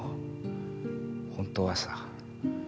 本当はさ